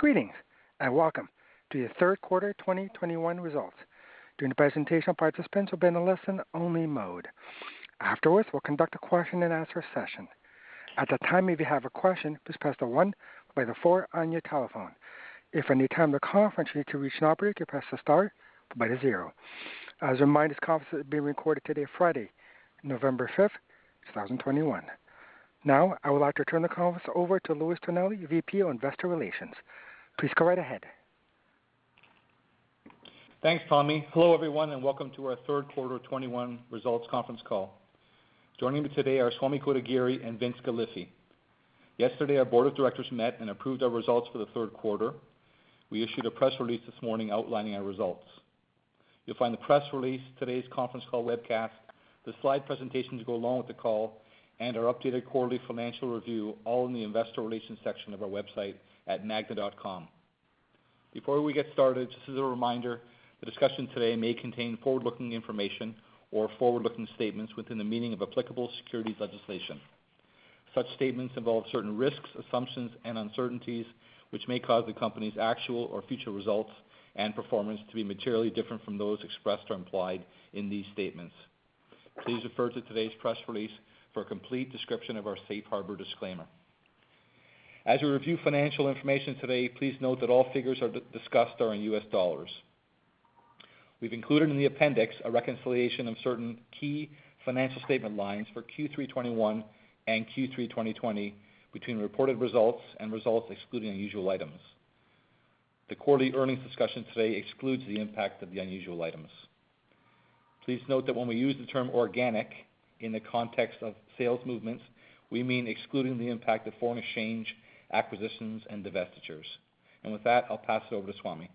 Greetings and welcome to the third quarter 2021 results. During the presentation, all participants will be in a listen-only mode. Afterwards, we'll conduct a question and answer session. At that time, if you have a question, please press star one on your telephone. If at any time during the conference you need to reach an operator, you press star zero. As a reminder, this conference is being recorded today, Friday, November 5, 2021. Now I would like to turn the conference over to Louis Tonelli, VP of Investor Relations. Please go right ahead. Thanks, Tommy. Hello, everyone, and welcome to our third quarter 2021 results conference call. Joining me today are Swamy Kotagiri and Vince Galifi. Yesterday, our board of directors met and approved our results for the third quarter. We issued a press release this morning outlining our results. You'll find the press release, today's conference call webcast, the slide presentations to go along with the call, and our updated quarterly financial review all in the investor relations section of our website at magna.com. Before we get started, just as a reminder, the discussion today may contain forward-looking information or forward-looking statements within the meaning of applicable securities legislation. Such statements involve certain risks, assumptions and uncertainties which may cause the company's actual or future results and performance to be materially different from those expressed or implied in these statements. Please refer to today's press release for a complete description of our safe harbor disclaimer. As we review financial information today, please note that all figures discussed are in US dollars. We've included in the appendix a reconciliation of certain key financial statement lines for Q3 2021 and Q3 2020, between reported results and results excluding unusual items. The quarterly earnings discussion today excludes the impact of the unusual items. Please note that when we use the term organic in the context of sales movements, we mean excluding the impact of foreign exchange, acquisitions, and divestitures. With that, I'll pass it over to Swamy.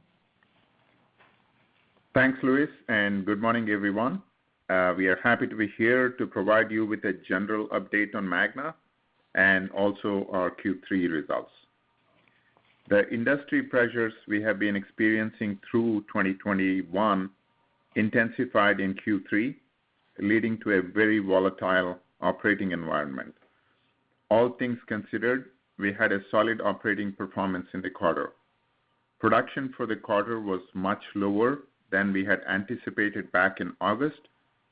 Thanks, Louis, and good morning, everyone. We are happy to be here to provide you with a general update on Magna and also our Q3 results. The industry pressures we have been experiencing through 2021 intensified in Q3, leading to a very volatile operating environment. All things considered, we had a solid operating performance in the quarter. Production for the quarter was much lower than we had anticipated back in August,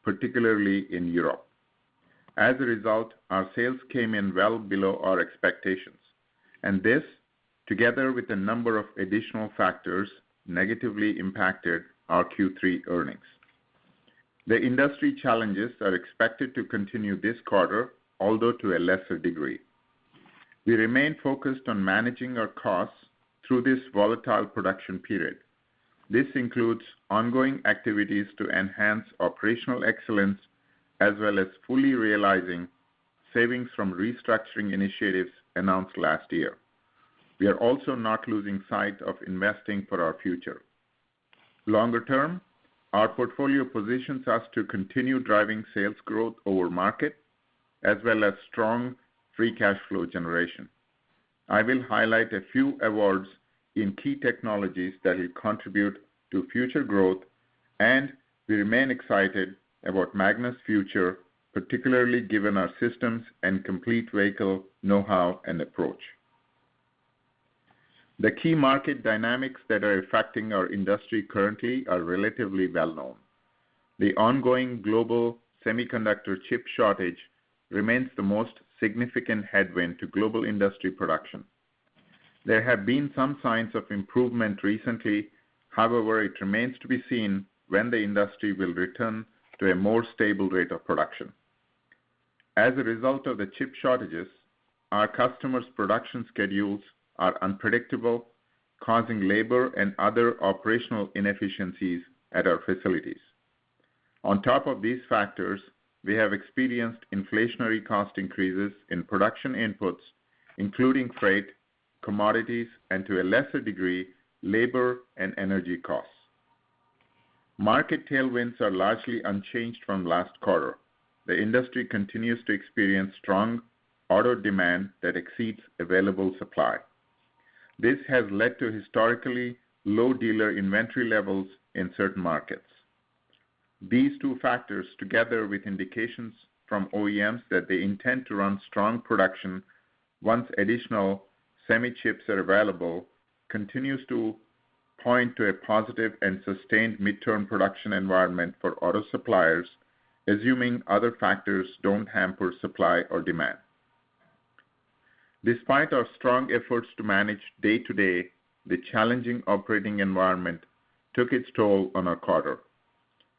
particularly in Europe. As a result, our sales came in well below our expectations, and this, together with a number of additional factors, negatively impacted our Q3 earnings. The industry challenges are expected to continue this quarter, although to a lesser degree. We remain focused on managing our costs through this volatile production period. This includes ongoing activities to enhance operational excellence, as well as fully realizing savings from restructuring initiatives announced last year. We are also not losing sight of investing for our future. Longer term, our portfolio positions us to continue driving sales growth over market, as well as strong free cash flow generation. I will highlight a few awards in key technologies that will contribute to future growth, and we remain excited about Magna's future, particularly given our systems and complete vehicle know-how and approach. The key market dynamics that are affecting our industry currently are relatively well-known. The ongoing global semiconductor chip shortage remains the most significant headwind to global industry production. There have been some signs of improvement recently. However, it remains to be seen when the industry will return to a more stable rate of production. As a result of the chip shortages, our customers' production schedules are unpredictable, causing labor and other operational inefficiencies at our facilities. On top of these factors, we have experienced inflationary cost increases in production inputs, including freight, commodities, and to a lesser degree, labor and energy costs. Market tailwinds are largely unchanged from last quarter. The industry continues to experience strong auto demand that exceeds available supply. This has led to historically low dealer inventory levels in certain markets. These two factors, together with indications from OEMs that they intend to run strong production once additional semi chips are available, continue to point to a positive and sustained midterm production environment for auto suppliers, assuming other factors don't hamper supply or demand. Despite our strong efforts to manage day-to-day, the challenging operating environment took its toll on our quarter.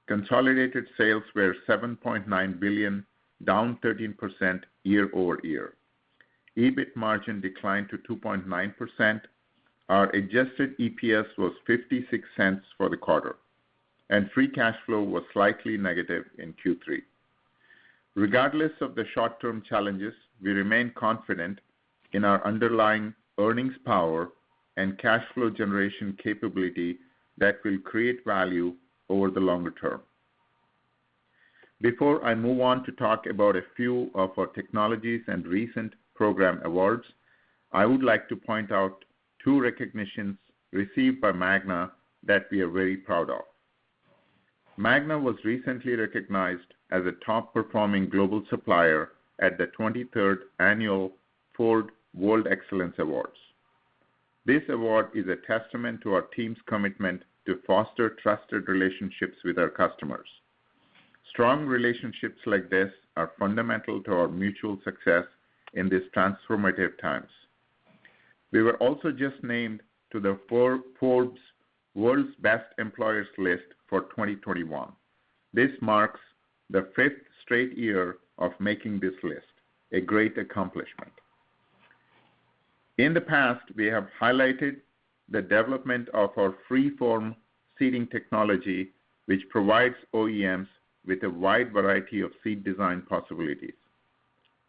Consolidated sales were $7.9 billion, down 13% year-over-year. EBIT margin declined to 2.9%. Our adjusted EPS was $0.56 for the quarter, and free cash flow was slightly negative in Q3. Regardless of the short-term challenges, we remain confident in our underlying earnings power and cash flow generation capability that will create value over the longer term. Before I move on to talk about a few of our technologies and recent program awards, I would like to point out two recognitions received by Magna that we are very proud of. Magna was recently recognized as a top performing global supplier at the 23rd annual Ford World Excellence Awards. This award is a testament to our team's commitment to foster trusted relationships with our customers. Strong relationships like this are fundamental to our mutual success in this transformative times. We were also just named to the Forbes World's Best Employers list for 2021. This marks the fifth straight year of making this list, a great accomplishment. In the past, we have highlighted the development of our FreeForm seating technology, which provides OEMs with a wide variety of seat design possibilities.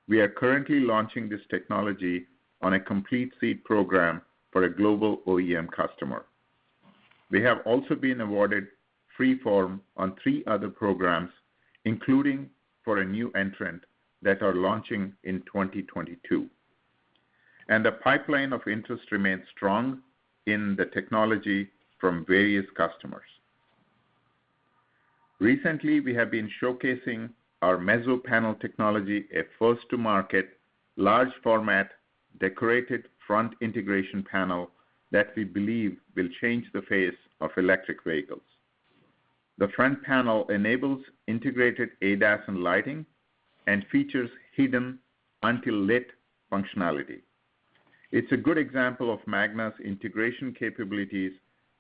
We are currently launching this technology on a complete seat program for a global OEM customer. We have also been awarded FreeForm on three other programs, including for a new entrant that are launching in 2022. The pipeline of interest remains strong in the technology from various customers. Recently, we have been showcasing our Mezzo Panel technology, a first to market, large format, decorated front integration panel that we believe will change the face of electric vehicles. The front panel enables integrated ADAS and lighting and features hidden until lit functionality. It's a good example of Magna's integration capabilities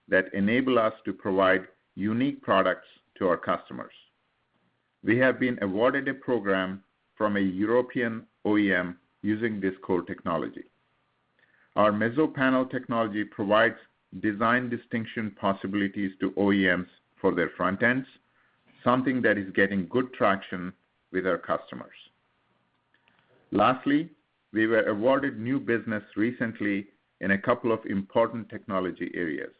that enable us to provide unique products to our customers. We have been awarded a program from a European OEM using this core technology. Our Mezzo Panel technology provides design distinction possibilities to OEMs for their front ends, something that is getting good traction with our customers. Lastly, we were awarded new business recently in a couple of important technology areas.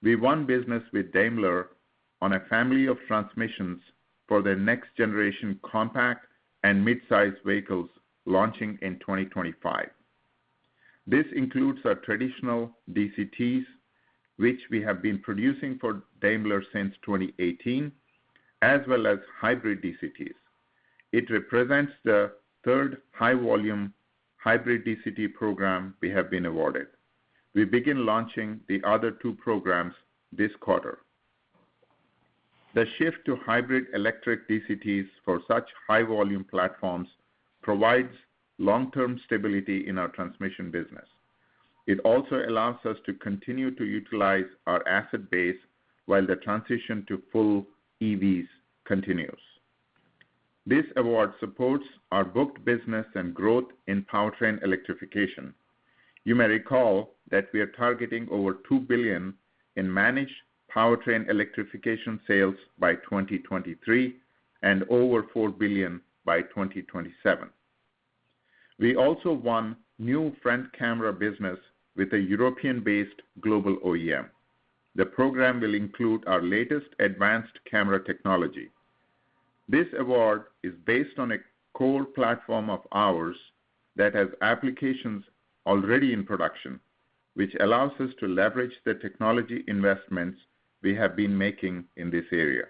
We won business with Daimler on a family of transmissions for their next generation compact and midsize vehicles launching in 2025. This includes our traditional DCTs, which we have been producing for Daimler since 2018, as well as hybrid DCTs. It represents the third high volume hybrid DCT program we have been awarded. We begin launching the other two programs this quarter. The shift to hybrid electric DCTs for such high volume platforms provides long-term stability in our transmission business. It also allows us to continue to utilize our asset base while the transition to full EVs continues. This award supports our booked business and growth in powertrain electrification. You may recall that we are targeting over $2 billion in managed powertrain electrification sales by 2023 and over $4 billion by 2027. We also won new front camera business with a European-based global OEM. The program will include our latest advanced camera technology. This award is based on a core platform of ours that has applications already in production, which allows us to leverage the technology investments we have been making in this area.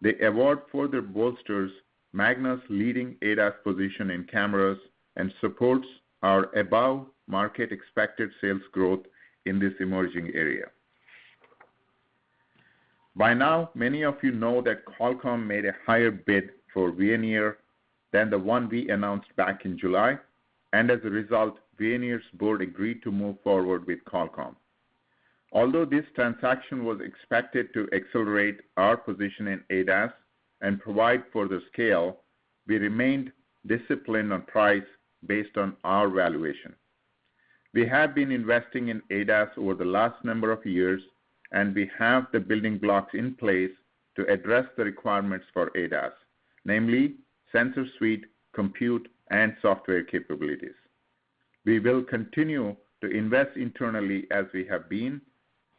The award further bolsters Magna's leading ADAS position in cameras and supports our above market expected sales growth in this emerging area. By now, many of you know that Qualcomm made a higher bid for Veoneer than the one we announced back in July, and as a result, Veoneer's board agreed to move forward with Qualcomm. Although this transaction was expected to accelerate our position in ADAS and provide further scale, we remained disciplined on price based on our valuation. We have been investing in ADAS over the last number of years, and we have the building blocks in place to address the requirements for ADAS, namely sensor suite, compute, and software capabilities. We will continue to invest internally as we have been.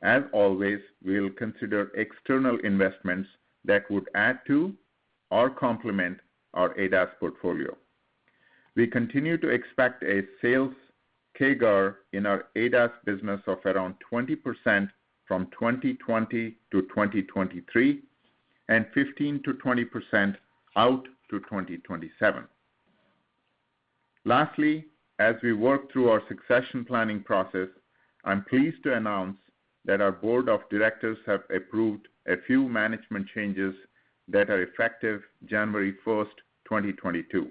As always, we will consider external investments that would add to or complement our ADAS portfolio. We continue to expect a sales CAGR in our ADAS business of around 20% from 2020 to 2023 and 15%-20% out to 2027. Lastly, as we work through our succession planning process, I'm pleased to announce that our board of directors have approved a few management changes that are effective January first, 2022.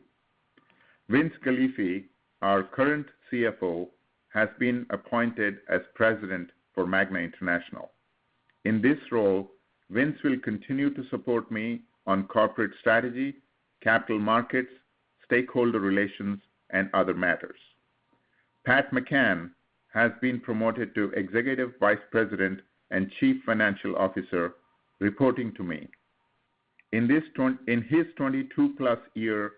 Vince Galifi, our current CFO, has been appointed as President for Magna International. In this role, Vince will continue to support me on corporate strategy, capital markets, stakeholder relations, and other matters. Pat McCann has been promoted to Executive Vice President and Chief Financial Officer, reporting to me. In his 22-plus-year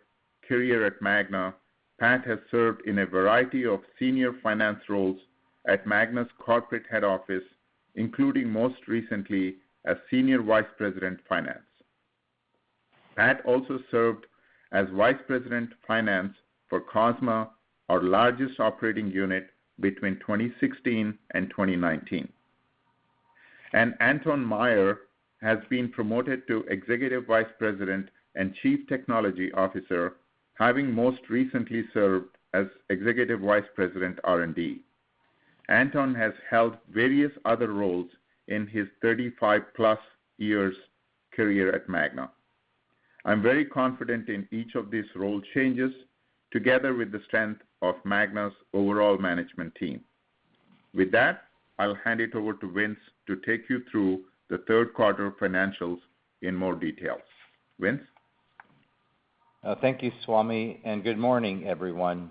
career at Magna, Pat has served in a variety of senior finance roles at Magna's corporate head office, including most recently as Senior Vice President, Finance. Pat also served as Vice President of Finance for Cosma, our largest operating unit, between 2016 and 2019. Anton Mayer has been promoted to Executive Vice President and Chief Technology Officer, having most recently served as Executive Vice President, R&D. Anton has held various other roles in his 35-plus years career at Magna. I'm very confident in each of these role changes, together with the strength of Magna's overall management team. With that, I will hand it over to Vince to take you through the third quarter financials in more details. Vince? Thank you, Swamy, and good morning, everyone.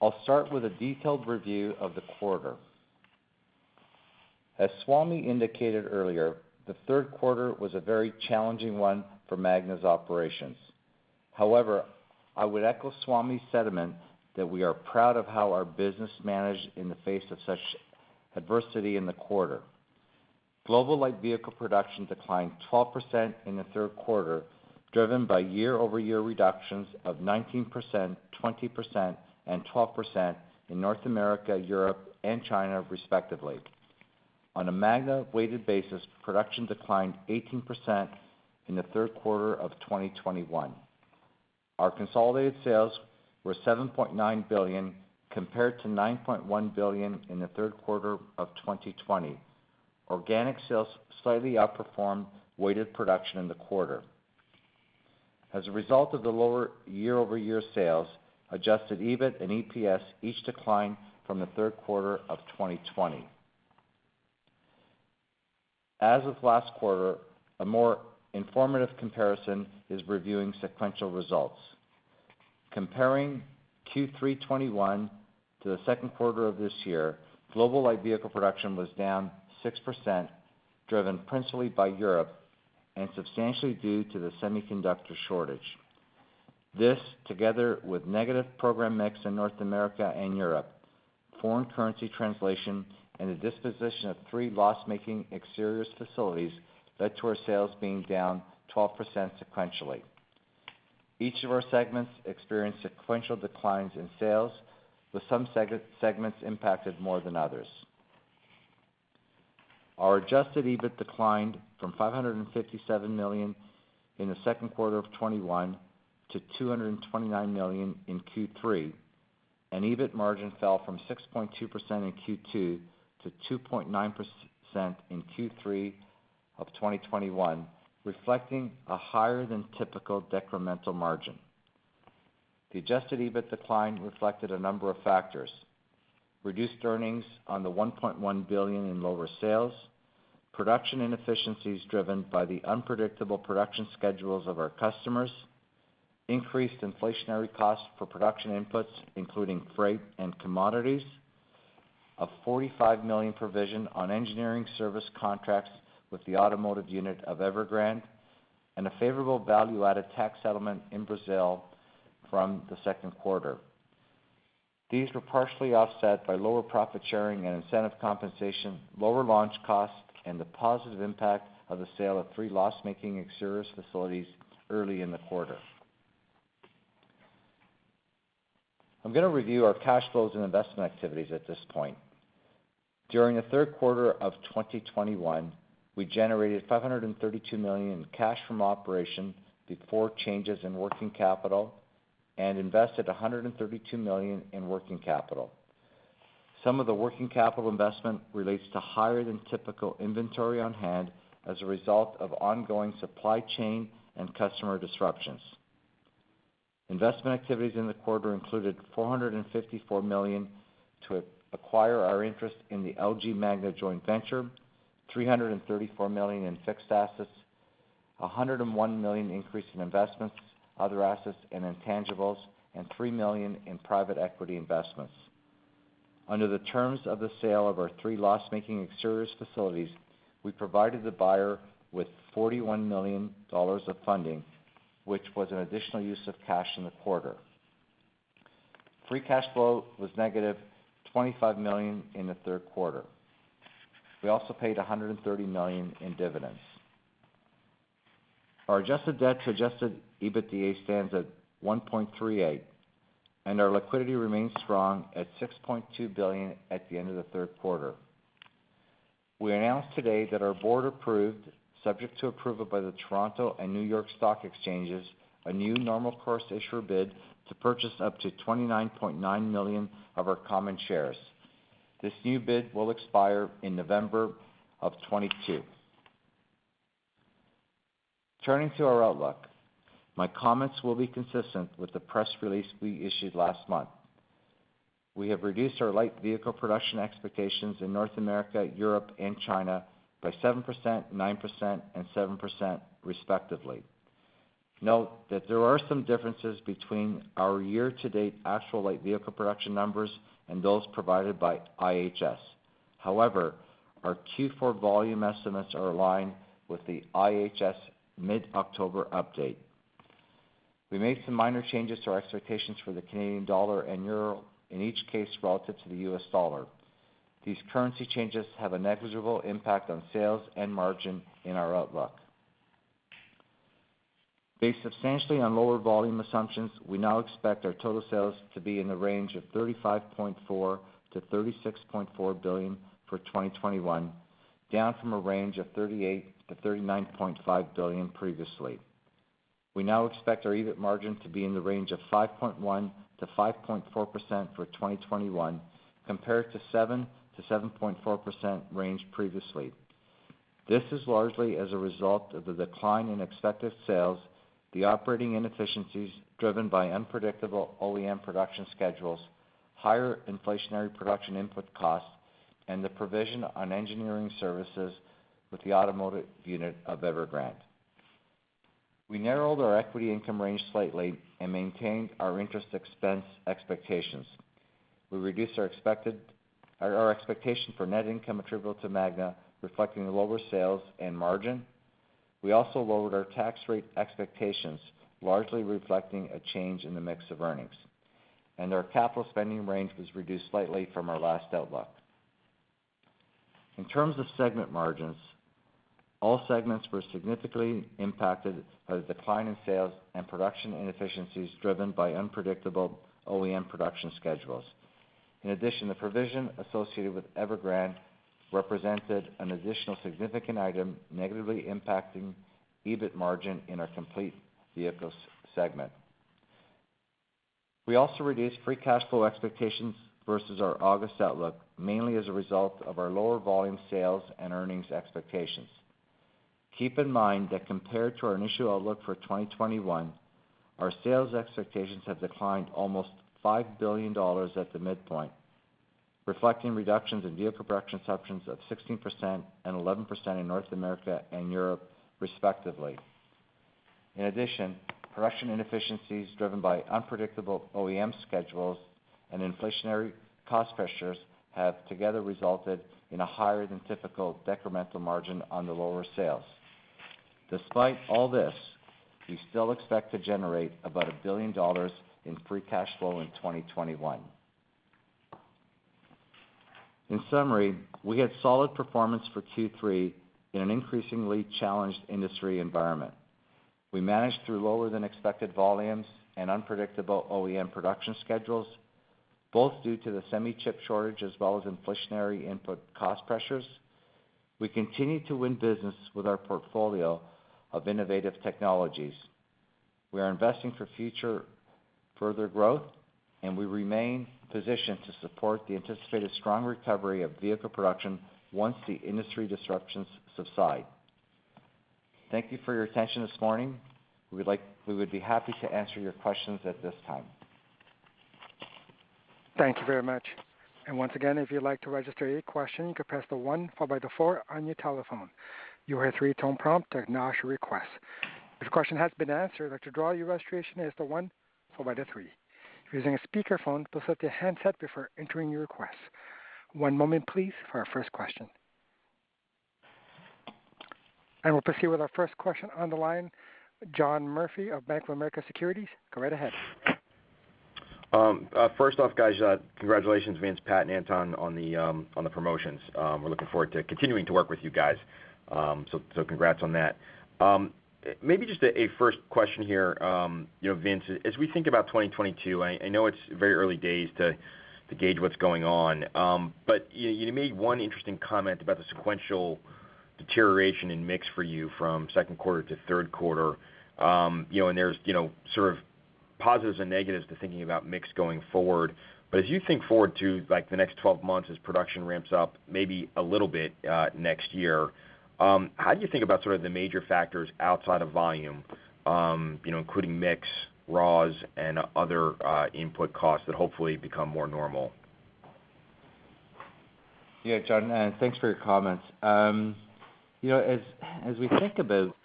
I'll start with a detailed review of the quarter. As Swamy indicated earlier, the third quarter was a very challenging one for Magna's operations. However, I would echo Swamy's sentiment that we are proud of how our business managed in the face of such adversity in the quarter. Global light vehicle production declined 12% in the third quarter, driven by year-over-year reductions of 19%, 20%, and 12% in North America, Europe, and China, respectively. On a Magna-weighted basis, production declined 18% in the third quarter of 2021. Our consolidated sales were $7.9 billion, compared to $9.1 billion in the third quarter of 2020. Organic sales slightly outperformed weighted production in the quarter. As a result of the lower year-over-year sales, adjusted EBIT and EPS each declined from the third quarter of 2020. As of last quarter, a more informative comparison is reviewing sequential results. Comparing Q3 2021 to the second quarter of this year, global light vehicle production was down 6%, driven principally by Europe and substantially due to the semiconductor shortage. This, together with negative program mix in North America and Europe, foreign currency translation, and the disposition of three loss-making exteriors facilities, led to our sales being down 12% sequentially. Each of our segments experienced sequential declines in sales, with some segments impacted more than others. Our adjusted EBIT declined from $557 million in the second quarter of 2021 to $229 million in Q3, and EBIT margin fell from 6.2% in Q2 to 2.9% in Q3 of 2021, reflecting a higher than typical decremental margin. The adjusted EBIT decline reflected a number of factors, reduced earnings on the $1.1 billion in lower sales, production inefficiencies driven by the unpredictable production schedules of our customers, increased inflationary costs for production inputs, including freight and commodities, a $45 million provision on engineering service contracts with the automotive unit of Evergrande, and a favorable value-added tax settlement in Brazil from the second quarter. These were partially offset by lower profit sharing and incentive compensation, lower launch costs, and the positive impact of the sale of 3 loss-making exteriors facilities early in the quarter. I'm gonna review our cash flows and investment activities at this point. During the third quarter of 2021, we generated $532 million in cash from operations before changes in working capital and invested $132 million in working capital. Some of the working capital investment relates to higher than typical inventory on hand as a result of ongoing supply chain and customer disruptions. Investment activities in the quarter included $454 million to acquire our interest in the LG Magna joint venture, $334 million in fixed assets, $101 million increase in investments, other assets, and intangibles, and $3 million in private equity investments. Under the terms of the sale of our three loss-making exteriors facilities, we provided the buyer with $41 million of funding, which was an additional use of cash in the quarter. Free cash flow was -$25 million in the third quarter. We also paid $130 million in dividends. Our adjusted debt to adjusted EBITDA stands at 1.38, and our liquidity remains strong at $6.2 billion at the end of the third quarter. We announced today that our board approved, subject to approval by the Toronto and New York Stock Exchanges, a new normal course issuer bid to purchase up to 29.9 million of our common shares. This new bid will expire in November 2022. Turning to our outlook, my comments will be consistent with the press release we issued last month. We have reduced our light vehicle production expectations in North America, Europe, and China by 7%, 9%, and 7% respectively. Note that there are some differences between our year-to-date actual light vehicle production numbers and those provided by IHS. However, our Q4 volume estimates are aligned with the IHS mid-October update. We made some minor changes to our expectations for the Canadian dollar and euro, in each case relative to the US dollar. These currency changes have a negligible impact on sales and margin in our outlook. Based substantially on lower volume assumptions, we now expect our total sales to be in the range of $35.4 billion-$36.4 billion for 2021, down from a range of $38 billion-$39.5 billion previously. We now expect our EBIT margin to be in the range of 5.1%-5.4% for 2021 compared to 7%-7.4% range previously. This is largely as a result of the decline in expected sales, the operating inefficiencies driven by unpredictable OEM production schedules, higher inflationary production input costs, and the provision on engineering services with the automotive unit of Evergrande. We narrowed our equity income range slightly and maintained our interest expense expectations. We reduced our expectation for net income attributable to Magna, reflecting lower sales and margin. We also lowered our tax rate expectations, largely reflecting a change in the mix of earnings. Our capital spending range was reduced slightly from our last outlook. In terms of segment margins, all segments were significantly impacted by the decline in sales and production inefficiencies driven by unpredictable OEM production schedules. In addition, the provision associated with Evergrande represented an additional significant item negatively impacting EBIT margin in our Complete Vehicles segment. We also reduced free cash flow expectations versus our August outlook, mainly as a result of our lower volume sales and earnings expectations. Keep in mind that compared to our initial outlook for 2021, our sales expectations have declined almost $5 billion at the midpoint, reflecting reductions in vehicle production assumptions of 16% and 11% in North America and Europe, respectively. In addition, production inefficiencies driven by unpredictable OEM schedules and inflationary cost pressures have together resulted in a higher than typical decremental margin on the lower sales. Despite all this, we still expect to generate about $1 billion in free cash flow in 2021. In summary, we had solid performance for Q3 in an increasingly challenged industry environment. We managed through lower than expected volumes and unpredictable OEM production schedules, both due to the semiconductor chip shortage as well as inflationary input cost pressures. We continue to win business with our portfolio of innovative technologies. We are investing for future further growth, and we remain positioned to support the anticipated strong recovery of vehicle production once the industry disruptions subside. Thank you for your attention this morning. We would be happy to answer your questions at this time. Thank you very much. Once again, if you'd like to register a question, you can press one followed by the four on your telephone. You will hear a three-tone prompt to acknowledge your request. If the question has been answered or like to withdraw your registration, it's one followed by three. If you're using a speakerphone, please mute your handset before entering your request. One moment please for our first question. We'll proceed with our first question on the line, John Murphy of Bank of America Securities. Go right ahead. First off, guys, congratulations, Vince, Pat, and Anton on the promotions. We're looking forward to continuing to work with you guys. Congrats on that. Maybe just a first question here. You know, Vince, as we think about 2022, I know it's very early days to gauge what's going on. You made one interesting comment about the sequential deterioration in mix for you from second quarter to third quarter. You know, there's you know, sort of positives and negatives to thinking about mix going forward. As you think forward to, like, the next 12 months as production ramps up maybe a little bit, next year, how do you think about sort of the major factors outside of volume, you know, including mix, raws, and other input costs that hopefully become more normal? Yeah, John, thanks for your comments. You know, as we think about,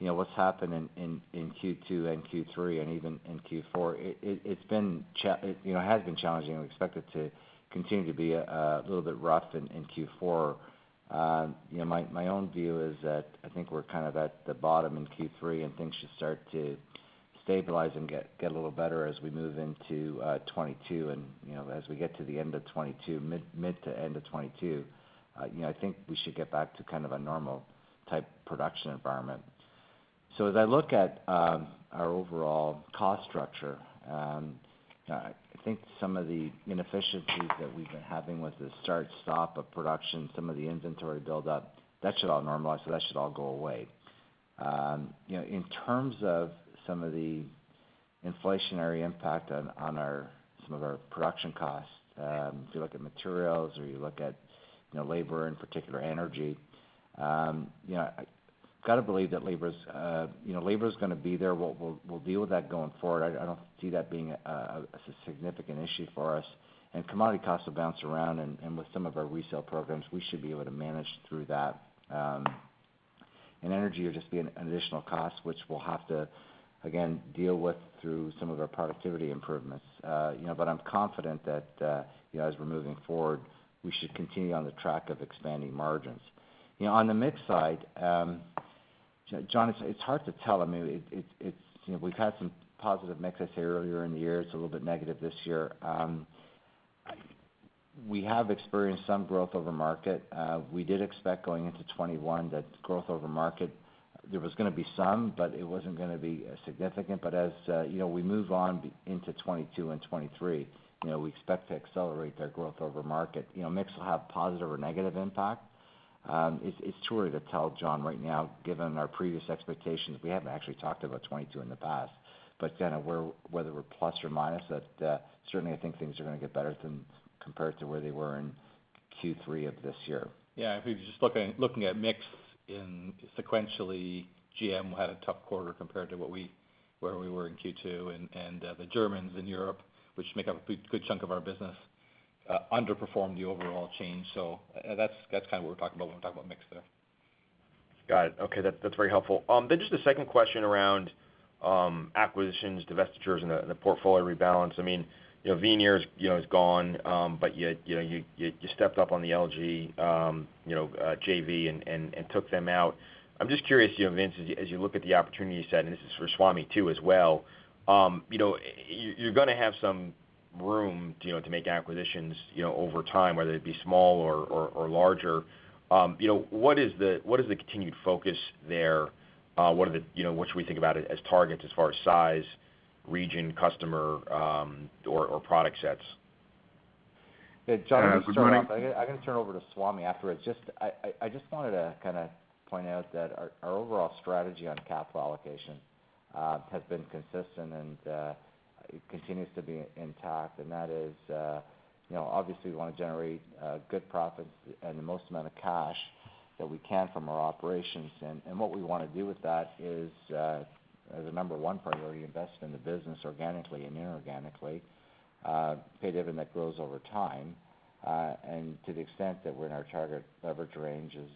you know, what's happened in Q2 and Q3 and even in Q4, you know, it has been challenging. We expect it to continue to be a little bit rough in Q4. You know, my own view is that I think we're kind of at the bottom in Q3, and things should start to stabilize and get a little better as we move into 2022. You know, as we get to the end of 2022, mid to end of 2022, you know, I think we should get back to kind of a normal type production environment. As I look at our overall cost structure, I think some of the inefficiencies that we've been having with the start-stop of production, some of the inventory buildup, that should all normalize, so that should all go away. You know, in terms of some of the inflationary impact on our some of our production costs, if you look at materials or you look at you know labor, in particular energy, you know I gotta believe that labor's you know labor's gonna be there. We'll deal with that going forward. I don't see that being a significant issue for us. Commodity costs will bounce around, and with some of our resale programs, we should be able to manage through that. Energy will just be an additional cost, which we'll have to again deal with through some of our productivity improvements. You know, I'm confident that you know, as we're moving forward, we should continue on the track of expanding margins. You know, on the mix side, John, it's hard to tell. I mean, it's you know, we've had some positive mix I'd say earlier in the year. It's a little bit negative this year. We have experienced some growth over market. We did expect going into 2021 that growth over market, there was gonna be some, but it wasn't gonna be significant. As you know, we move into 2022 and 2023, you know, we expect to accelerate that growth over market. You know, mix will have positive or negative impact. It's too early to tell, John, right now, given our previous expectations. We haven't actually talked about 2022 in the past, but again, whether we're plus or minus, certainly I think things are gonna get better than compared to where they were in Q3 of this year. Yeah, if we were just looking at mix sequentially, GM had a tough quarter compared to where we were in Q2, and the Germans in Europe, which make up a good chunk of our business, underperformed the overall change. That's kind of what we're talking about when we talk about mix there. Got it. Okay, that's very helpful. Just a second question around acquisitions, divestitures, and the portfolio rebalance. I mean, you know, Veoneer, you know, is gone, but yet, you know, you stepped up on the LG JV and took them out. I'm just curious, you know, Vince, as you look at the opportunity set, and this is for Swamy too as well, you know, you're gonna have some room, you know, to make acquisitions, you know, over time, whether it be small or larger. You know, what is the continued focus there? What are the, you know, what should we think about as targets as far as size, region, customer, or product sets? Yeah, John, to start off, I gotta turn over to Swamy afterwards. Just, I just wanted to kinda point out that our overall strategy on capital allocation has been consistent and it continues to be intact. That is, you know, obviously we wanna generate good profits and the most amount of cash that we can from our operations. What we wanna do with that is, as a number one priority, invest in the business organically and inorganically, pay dividend that grows over time. To the extent that we're in our target leverage ranges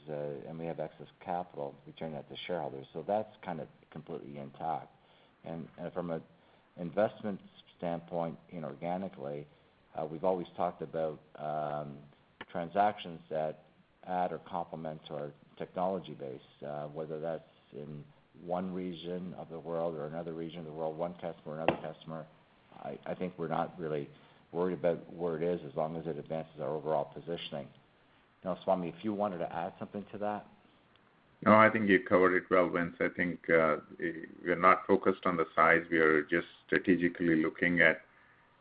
and we have excess capital, we turn that to shareholders. That's kind of completely intact. From an investment standpoint inorganically, we've always talked about transactions that add or complement to our technology base, whether that's in one region of the world or another region of the world, one customer or another customer, I think we're not really worried about where it is as long as it advances our overall positioning. Now, Swamy, if you wanted to add something to that. No, I think you covered it well, Vince. I think we're not focused on the size. We are just strategically looking at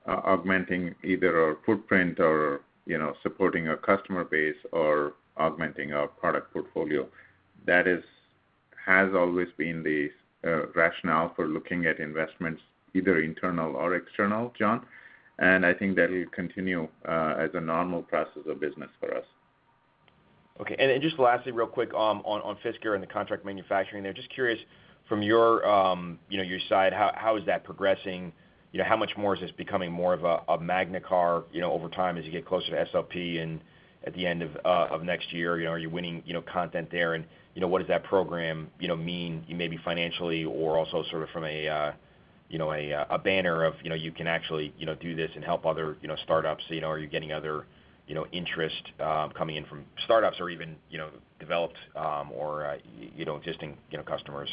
augmenting either our footprint or, you know, supporting our customer base or augmenting our product portfolio. That is, has always been the rationale for looking at investments either internal or external, John. I think that'll continue as a normal process of business for us. Just lastly, real quick, on Fisker and the contract manufacturing there. Just curious from your, you know, your side, how is that progressing? You know, how much more is this becoming more of a Magna car, you know, over time as you get closer to SOP and at the end of next year? You know, are you winning, you know, content there? What does that program, you know, mean maybe financially or also sort of from a banner of, you know, you can actually, you know, do this and help other, you know, startups? You know, are you getting other, you know, interest coming in from startups or even, you know, developed or you know, existing, you know, customers?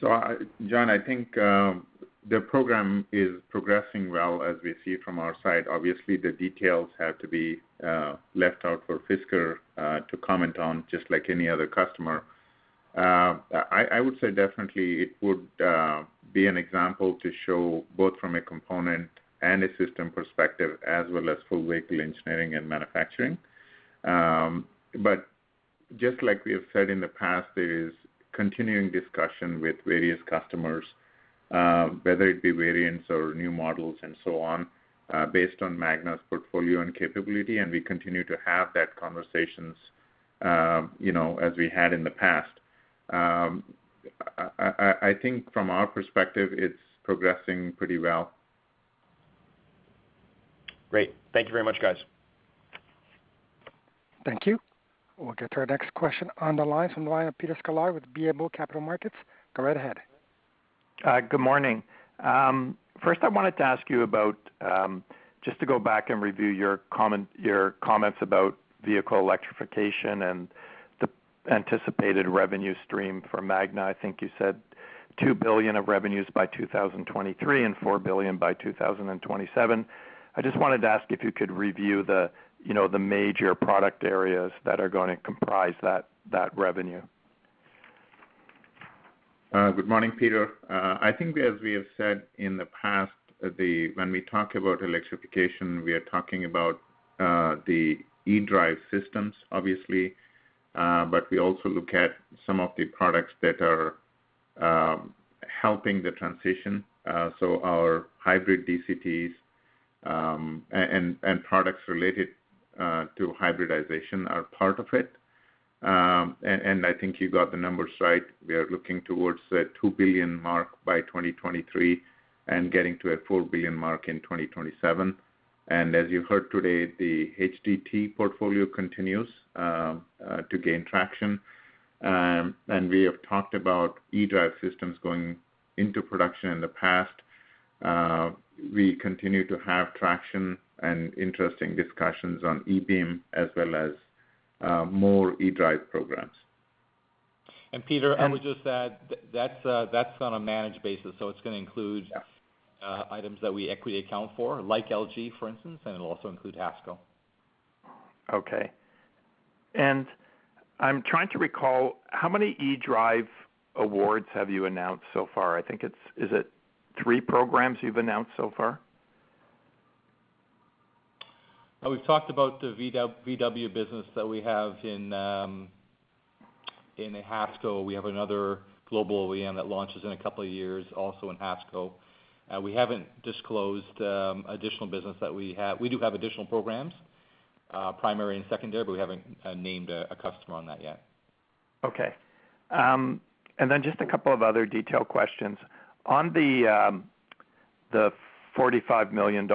John, I think the program is progressing well as we see from our side. Obviously, the details have to be left out for Fisker to comment on, just like any other customer. I would say definitely it would be an example to show both from a component and a system perspective, as well as full vehicle engineering and manufacturing. Just like we have said in the past, there is continuing discussion with various customers, whether it be variants or new models and so on, based on Magna's portfolio and capability, and we continue to have that conversations, you know, as we had in the past. I think from our perspective, it's progressing pretty well. Great. Thank you very much, guys. Thank you. We'll get to our next question on the line from the line of Peter Sklar with BMO Capital Markets. Go right ahead. Good morning. First I wanted to ask you about just to go back and review your comments about vehicle electrification and the anticipated revenue stream for Magna. I think you said $2 billion of revenues by 2023 and $4 billion by 2027. I just wanted to ask if you could review the major product areas that are gonna comprise that revenue. Good morning, Peter. I think as we have said in the past, when we talk about electrification, we are talking about the eDrive systems obviously, but we also look at some of the products that are helping the transition. Our hybrid DCTs and products related to hybridization are part of it. I think you got the numbers right. We are looking towards the $2 billion mark by 2023 and getting to a $4 billion mark in 2027. As you heard today, the HDT portfolio continues to gain traction. We have talked about eDrive systems going into production in the past. We continue to have traction and interesting discussions on eBeam as well as more eDrive programs. Peter, I would just add, that's on a managed basis, so it's gonna include. Yeah items that we equity account for, like LG, for instance, and it'll also include HASCO. Okay. I'm trying to recall how many eDrive awards have you announced so far? Is it three programs you've announced so far? We've talked about the VW business that we have in HASCO. We have another global OEM that launches in a couple of years, also in HASCO. We haven't disclosed additional business that we have. We do have additional programs, primary and secondary, but we haven't named a customer on that yet. Okay. Just a couple of other detail questions. On the $45 million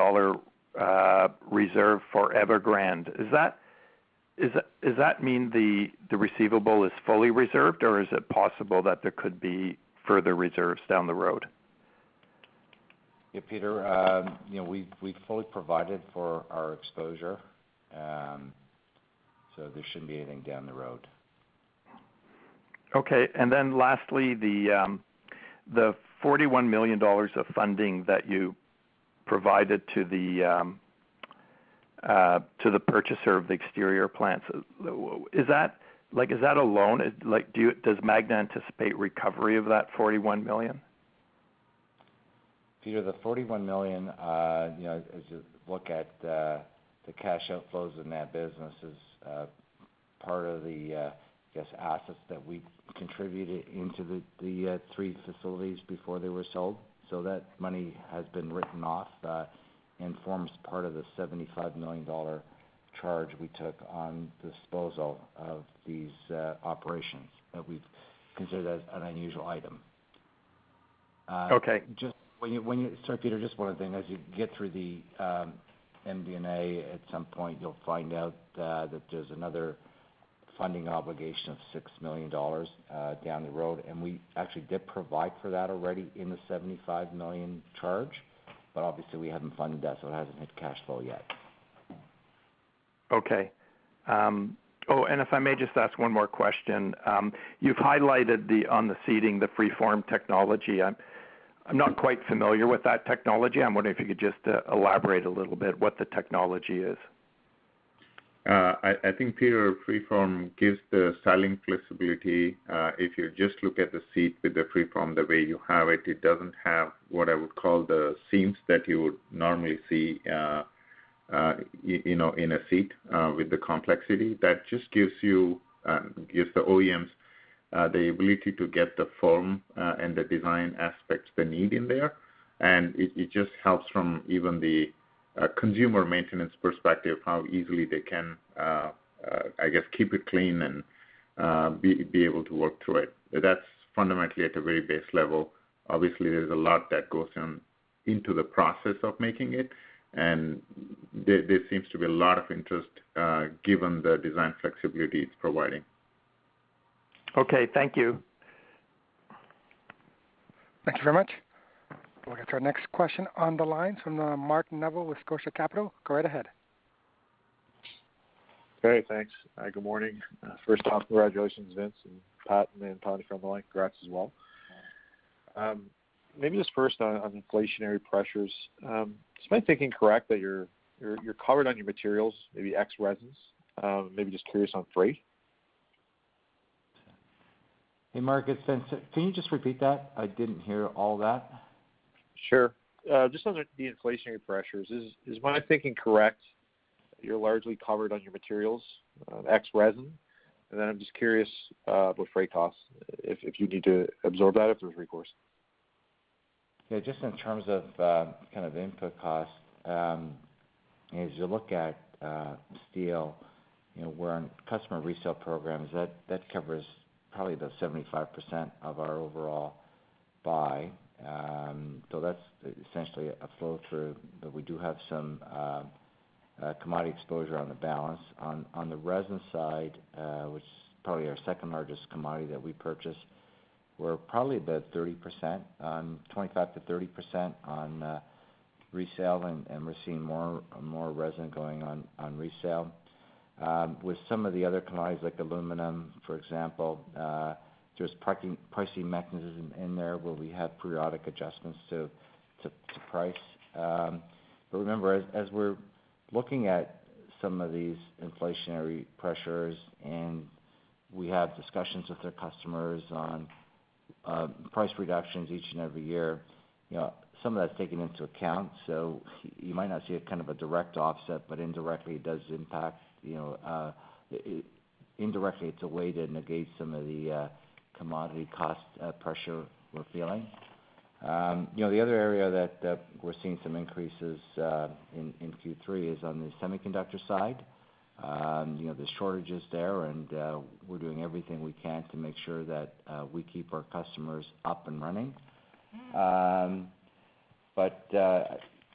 reserve for Evergrande, does that mean the receivable is fully reserved, or is it possible that there could be further reserves down the road? Yeah, Peter, you know, we've fully provided for our exposure, so there shouldn't be anything down the road. Okay. Lastly, the $41 million of funding that you provided to the purchaser of the exterior plants, is that like a loan? Like, does Magna anticipate recovery of that $41 million? Peter, the $41 million, you know, as you look at the cash outflows in that business is part of the, I guess, assets that we contributed into the three facilities before they were sold. So that money has been written off and forms part of the $75 million charge we took on disposal of these operations that we've considered as an unusual item. Okay. Sorry, Peter, just one other thing. As you get through the MD&A, at some point, you'll find out that there's another funding obligation of $6 million down the road, and we actually did provide for that already in the $75 million charge. Obviously we haven't funded that, so it hasn't hit cash flow yet. Okay. If I may just ask one more question. You've highlighted the on the seating, the FreeForm technology. I'm not quite familiar with that technology. I'm wondering if you could just elaborate a little bit what the technology is. I think, Peter, FreeForm gives the styling flexibility. If you just look at the seat with the FreeForm the way you have it doesn't have what I would call the seams that you would normally see, you know, in a seat with the complexity. That just gives the OEMs the ability to get the form and the design aspects they need in there. It just helps from even the consumer maintenance perspective, how easily they can, I guess, keep it clean and be able to work through it. That's fundamentally at the very base level. Obviously, there's a lot that goes into the process of making it, and there seems to be a lot of interest given the design flexibility it's providing. Okay, thank you. Thank you very much. We'll get to our next question on the line from, Mark Neville with Scotia Capital. Go right ahead. Okay, thanks. Good morning. First off, congratulations, Vince and Pat, and then Tommy Mahe congrats as well. Maybe just first on inflationary pressures. Is my thinking correct that you're covered on your materials, maybe ex resins? Maybe just curious on freight. Hey, Mark. It's Vince. Can you just repeat that? I didn't hear all that. Sure. Just on the inflationary pressures, is my thinking correct that you're largely covered on your materials, ex resin? And then I'm just curious, with freight costs if you need to absorb that, if there's recourse. Yeah, just in terms of kind of input costs, as you look at steel, you know, we're on customer resale programs. That covers probably about 75% of our overall buy. So that's essentially a flow-through, but we do have some commodity exposure on the balance. On the resin side, which is probably our second-largest commodity that we purchase, we're probably about 30%, 25%-30% on resale, and we're seeing more and more resin going on resale. With some of the other commodities, like aluminum, for example, there's pricing mechanism in there where we have periodic adjustments to price. But remember, as we're looking at some of these inflationary pressures and we have discussions with the customers on price reductions each and every year, you know, some of that's taken into account. You might not see a kind of a direct offset, but indirectly it does impact, you know. Indirectly, it's a way to negate some of the commodity cost pressure we're feeling. You know, the other area that we're seeing some increases in Q3 is on the semiconductor side. You know, there's shortages there and we're doing everything we can to make sure that we keep our customers up and running.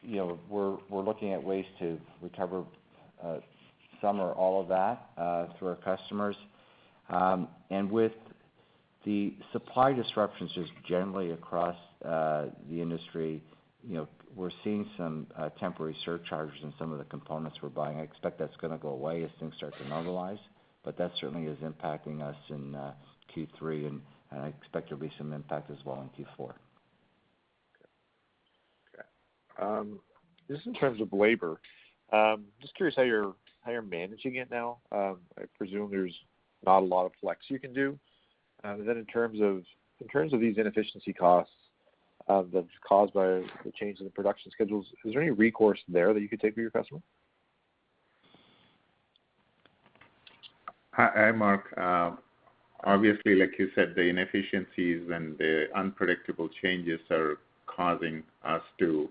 You know, we're looking at ways to recover some or all of that through our customers. With the supply disruptions just generally across the industry, you know, we're seeing some temporary surcharges in some of the components we're buying. I expect that's gonna go away as things start to normalize, but that certainly is impacting us in Q3, and I expect there'll be some impact as well in Q4. Okay. Just in terms of labor, just curious how you're managing it now. I presume there's not a lot of flex you can do. In terms of these inefficiency costs, that's caused by the change in the production schedules, is there any recourse there that you could take with your customer? Hi. Hi, Mark. Obviously, like you said, the inefficiencies and the unpredictable changes are causing us to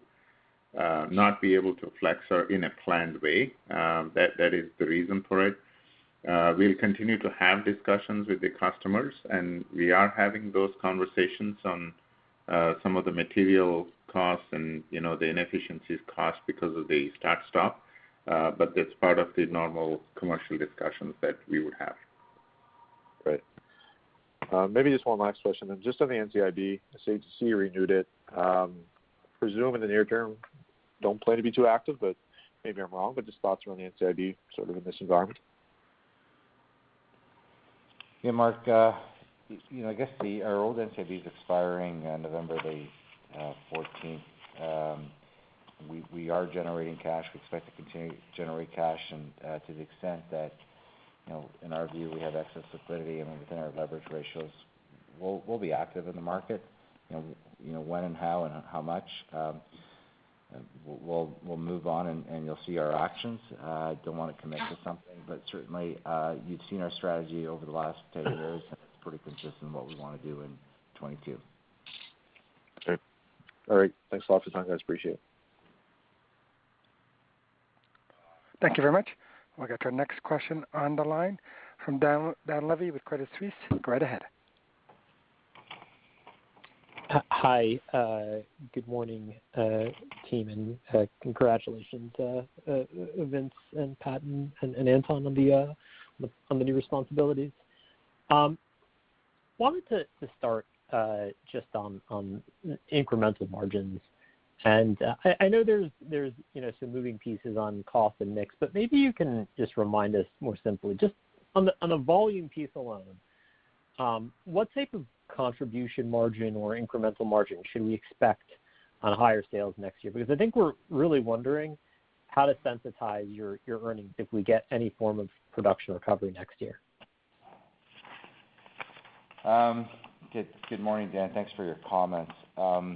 not be able to flex in a planned way. That is the reason for it. We'll continue to have discussions with the customers, and we are having those conversations on some of the material costs and, you know, the inefficiencies cost because of the start-stop, but that's part of the normal commercial discussions that we would have. Great. Maybe just one last question. Just on the NCIB, I see you renewed it. I presume in the near term don't plan to be too active, but maybe I'm wrong. Just thoughts around the NCIB sort of in this environment. Yeah. Mark, you know, I guess our old NCIB is expiring on November the fourteenth. We are generating cash. We expect to continue to generate cash. To the extent that, you know, in our view, we have excess liquidity and within our leverage ratios, we'll be active in the market. You know, when and how and how much, we'll move on and you'll see our actions. Don't wanna commit to something, but certainly, you've seen our strategy over the last 10 years, and it's pretty consistent what we wanna do in 2022. Okay. All right. Thanks a lot for your time, guys. Appreciate it. Thank you very much. We'll get to our next question on the line from Dan Levy with Credit Suisse. Go right ahead. Hi. Good morning, team, and congratulations, Vince and Pat and Anton on the new responsibilities. I wanted to start just on incremental margins. I know there's, you know, some moving pieces on cost and mix, but maybe you can just remind us more simply, just on the volume piece alone, what type of contribution margin or incremental margin should we expect on higher sales next year? Because I think we're really wondering how to sensitize your earnings if we get any form of production recovery next year. Good morning, Dan. Thanks for your comments. Now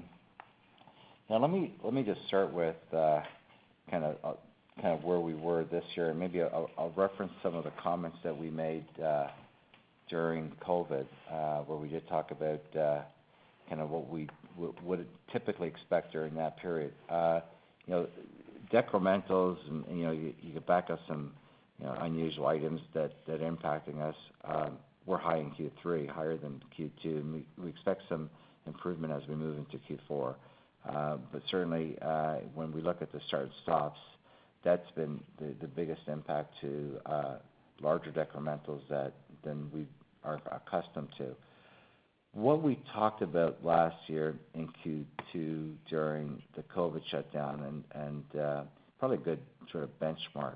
let me just start with kind of where we were this year, and maybe I'll reference some of the comments that we made during COVID, where we did talk about kind of what we would typically expect during that period. You know, decrementals and, you know, you could back out some, you know, unusual items that are impacting us. We're high in Q3, higher than Q2, and we expect some improvement as we move into Q4. Certainly, when we look at the start-stops, that's been the biggest impact to larger decrementals than we are accustomed to. What we talked about last year in Q2 during the COVID shutdown and probably a good sort of benchmark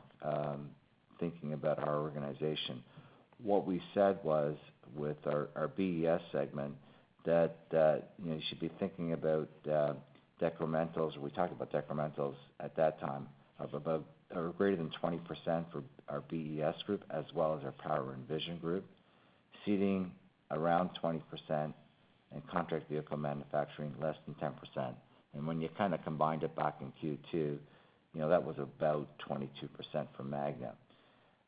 thinking about our organization, what we said was with our BES segment you know you should be thinking about decrementals, we talked about decrementals at that time of above or greater than 20% for our BES group as well as our Power & Vision group, seating around 20% and contract vehicle manufacturing less than 10%. When you kinda combined it back in Q2, you know, that was about 22% for Magna.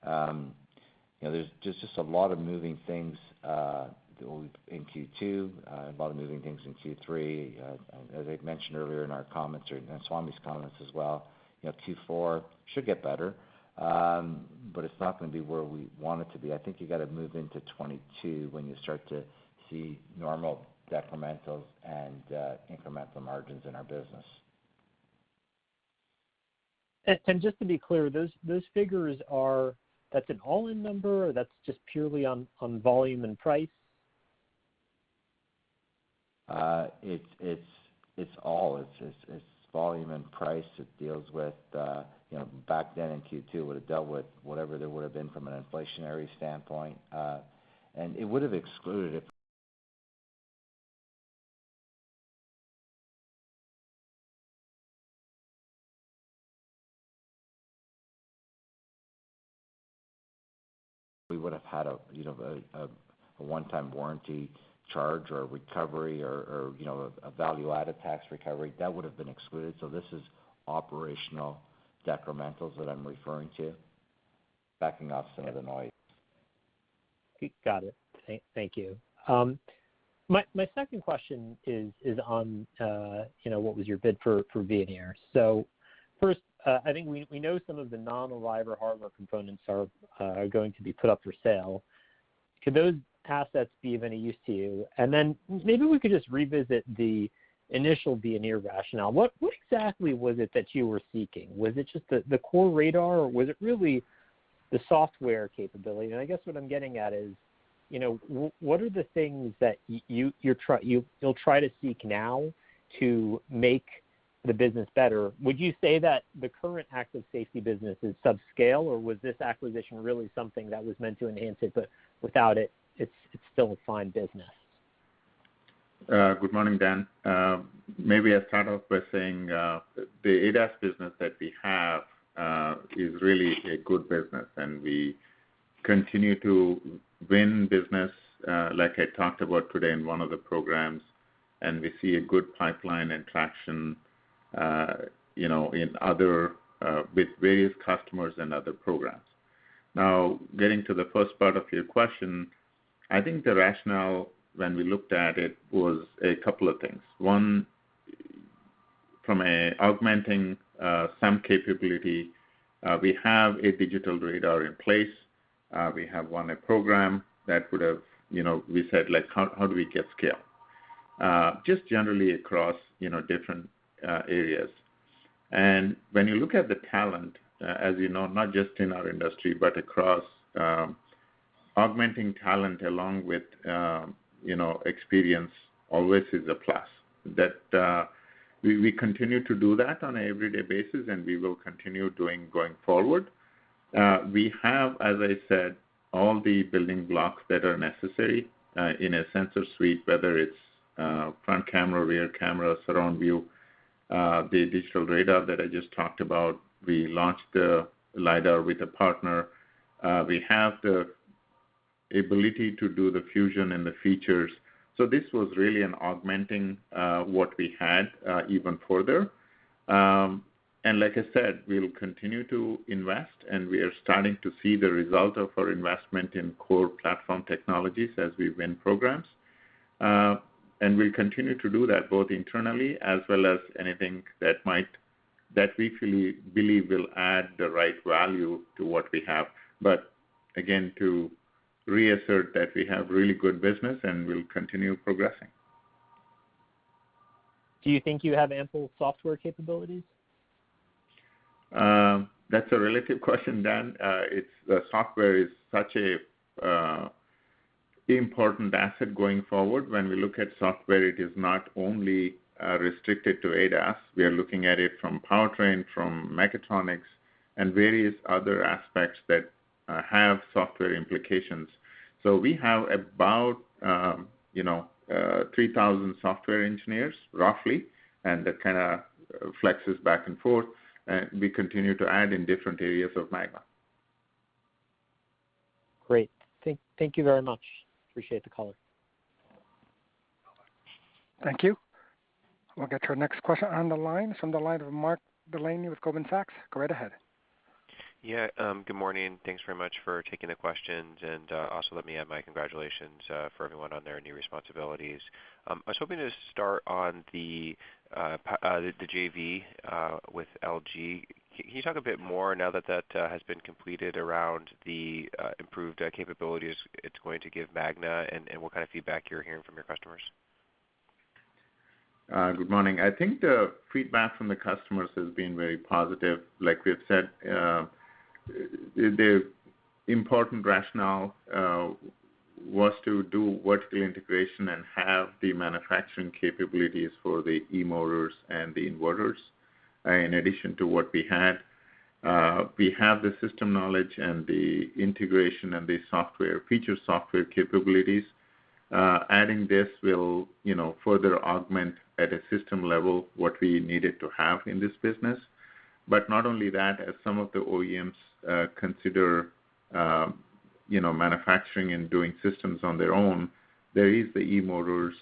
You know, there's just a lot of moving things in Q2, a lot of moving things in Q3. As I've mentioned earlier in our comments or in Swamy's comments as well, you know, Q4 should get better, but it's not gonna be where we want it to be. I think you gotta move into 2022 when you start to see normal decrementals and incremental margins in our business. Just to be clear, those figures are that's an all-in number, or that's just purely on volume and price? It's all. It's volume and price. It deals with, you know, back then in Q2, would've dealt with whatever there would've been from an inflationary standpoint. It would've excluded if we would've had a, you know, a one-time warranty charge or a recovery or, you know, a value-added tax recovery. That would've been excluded. This is operational decrementals that I'm referring to, backing out some of the noise. Got it. Thank you. My second question is on you know what was your bid for Veoneer. First, I think we know some of the non-active or hardware components are going to be put up for sale. Could those assets be of any use to you? Maybe we could just revisit the initial Veoneer rationale. What exactly was it that you were seeking? Was it just the core radar, or was it really the software capability? I guess what I'm getting at is, you know, what are the things that you will try to seek now to make the business better? Would you say that the current active safety business is subscale, or was this acquisition really something that was meant to enhance it, but without it's still a fine business? Good morning, Dan. Maybe I'll start off by saying, the ADAS business that we have is really a good business, and we continue to win business, like I talked about today in one of the programs, and we see a good pipeline and traction, you know, in other with various customers and other programs. Now, getting to the first part of your question, I think the rationale when we looked at it was a couple of things. One, from augmenting some capability, we have a digital radar in place. We have won a program that would have, you know, we said, like, "How do we get scale?" Just generally across, you know, different areas. When you look at the talent, as you know, not just in our industry, but across, augmenting talent along with, you know, experience always is a plus. That we continue to do that on a every day basis, and we will continue doing going forward. We have, as I said, all the building blocks that are necessary, in a sensor suite, whether it's front camera, rear camera, surround view, the digital radar that I just talked about. We launched the LiDAR with a partner. We have the ability to do the fusion and the features. This was really an augmenting what we had even further. Like I said, we'll continue to invest, and we are starting to see the result of our investment in core platform technologies as we win programs. We'll continue to do that both internally as well as anything that we believe will add the right value to what we have. Again, to reassert that we have really good business, and we'll continue progressing. Do you think you have ample software capabilities? That's a relative question, Dan. The software is such an important asset going forward. When we look at software, it is not only restricted to ADAS. We are looking at it from powertrain, from mechatronics, and various other aspects that have software implications. We have about, you know, 3,000 software engineers, roughly, and that kinda flexes back and forth. We continue to add in different areas of Magna. Great. Thank you very much. Appreciate the call. Thank you. We'll get to our next question on the line. It's on the line with Mark Delaney with Goldman Sachs. Go right ahead. Yeah, good morning. Thanks very much for taking the questions. Also let me add my congratulations for everyone on their new responsibilities. I was hoping to start on the JV with LG. Can you talk a bit more now that has been completed around the improved capabilities it's going to give Magna and what kind of feedback you're hearing from your customers? Good morning. I think the feedback from the customers has been very positive. Like we have said, the important rationale was to do vertical integration and have the manufacturing capabilities for the e-motors and the inverters, in addition to what we had. We have the system knowledge and the integration and the software, feature software capabilities. Adding this will, you know, further augment at a system level what we needed to have in this business. Not only that, as some of the OEMs consider, you know, manufacturing and doing systems on their own, there is the e-motors,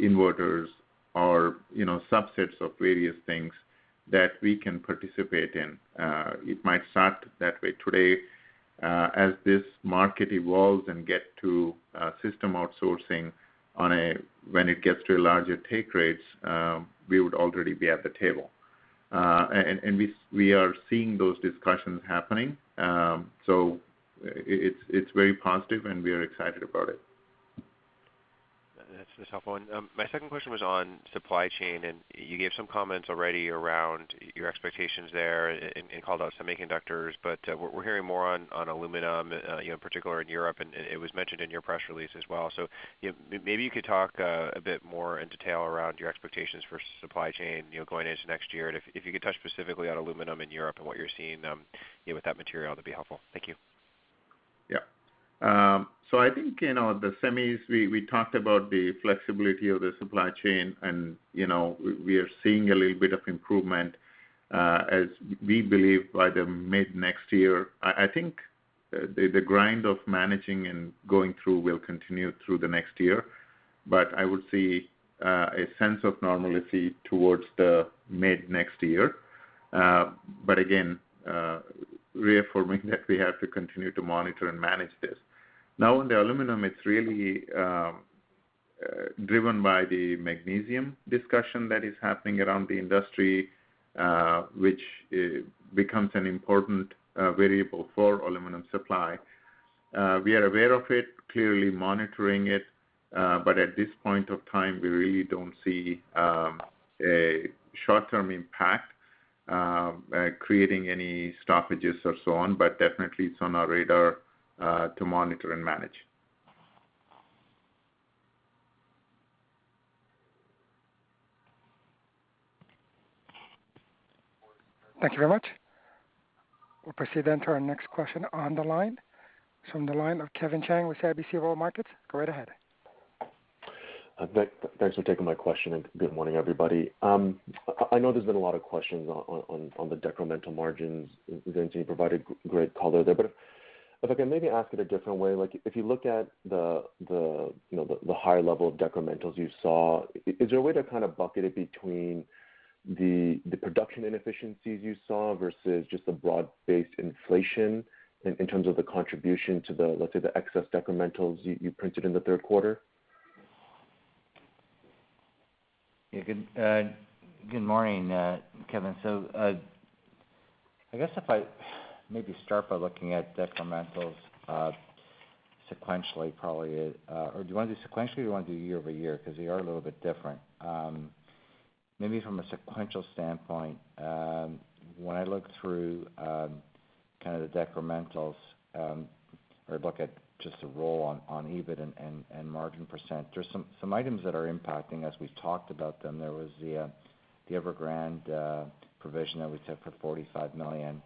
inverters or, you know, subsets of various things that we can participate in. It might start that way today. As this market evolves and gets to system outsourcing when it gets to larger take rates, we would already be at the table. We are seeing those discussions happening. It's very positive, and we are excited about it. That's helpful. My second question was on supply chain, and you gave some comments already around your expectations there and called out semiconductors. But we're hearing more on aluminum, you know, particularly in Europe, and it was mentioned in your press release as well. Maybe you could talk a bit more in detail around your expectations for supply chain, you know, going into next year. If you could touch specifically on aluminum in Europe and what you're seeing, you know, with that material, that'd be helpful. Thank you. I think, you know, the semis, we talked about the flexibility of the supply chain, and, you know, we are seeing a little bit of improvement, as we believe by the mid-next year. I think, the grind of managing and going through will continue through the next year, but I would see a sense of normalcy towards the mid-next year. Again, reaffirming that we have to continue to monitor and manage this. Now, in the aluminum, it's really driven by the magnesium discussion that is happening around the industry, which becomes an important variable for aluminum supply. We are aware of it, clearly monitoring it. At this point of time, we really don't see a short-term impact creating any stoppages or so on. Definitely it's on our radar to monitor and manage. Thank you very much. We'll proceed to our next question on the line. It's from the line of Kevin Chiang with CIBC World Markets. Go right ahead. Thanks for taking my question, and good morning, everybody. I know there's been a lot of questions on the decremental margins. Vincent, you provided great color there. If I can maybe ask it a different way, like, if you look at the, you know, the high level of decrementals you saw, is there a way to kind of bucket it between the production inefficiencies you saw versus just the broad-based inflation in terms of the contribution to the, let's say, the excess decrementals you printed in the third quarter? Yeah. Good morning, Kevin. I guess if I maybe start by looking at decrementals, sequentially probably. Or do you wanna do sequentially, or do you wanna do year-over-year? 'Cause they are a little bit different. Maybe from a sequential standpoint, when I look through, kind of the decrementals, or look at just the roll on EBIT and margin %, there's some items that are impacting, as we've talked about them. There was the Evergrande provision that we took for $45 million.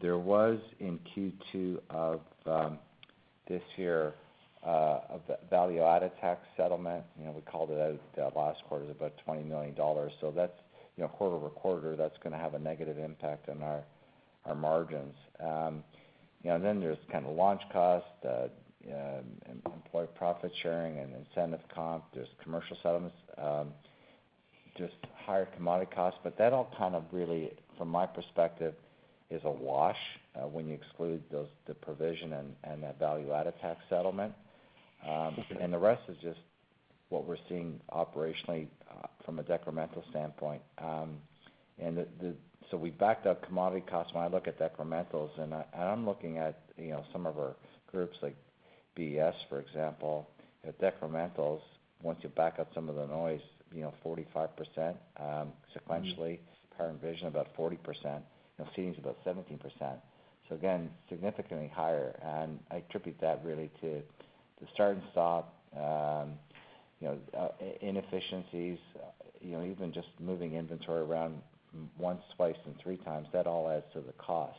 There was, in Q2 of this year, a value-added tax settlement, you know, we called it out last quarter, it was about $20 million. That's, you know, quarter-over-quarter, that's gonna have a negative impact on our margins. You know, there's kind of launch costs, employee profit sharing and incentive comp. There's commercial settlements, just higher commodity costs. That all kind of really, from my perspective, is a wash when you exclude those, the provision and that value-added tax settlement. The rest is just what we're seeing operationally, from a decremental standpoint. So we backed out commodity costs when I look at decrementals, and I'm looking at, you know, some of our groups like BES, for example. The decrementals, once you back out some of the noise, you know, 45% sequentially. Power & Vision, about 40%. You know, Seating's about 17%. Again, significantly higher, and I attribute that really to start and stop, you know, inefficiencies, you know, even just moving inventory around once, twice and three times, that all adds to the cost.